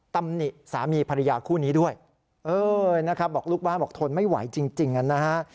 ตำหนิสามีภรรยาคู่นี้ด้วยเออนะครับบอกลูกบ้านบอกทนไม่ไหวจริงนะฮะ